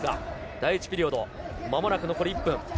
第１ピリオド、まもなく残り１分。